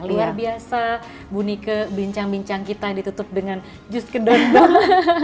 luar biasa bunyike bincang bincang kita yang ditutup dengan jus kedonbang